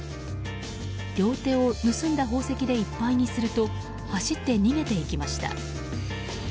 両手を盗んだ宝石でいっぱいにすると走って逃げていきました。